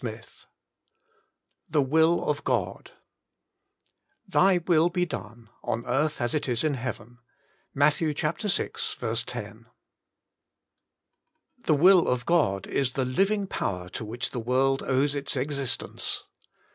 XXII THE WILL OF GOD "Thy will be done on earth as it is in heaven."— Matt. vi. 10. 1. The will of God is the living power to which the world owes its existence.